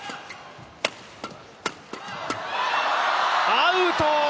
アウト！